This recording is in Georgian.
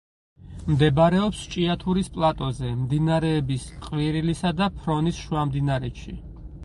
მდებარეობს ჭიათურის პლატოზე, მდინარეების ყვირილისა და ფრონის შუამდინარეთში.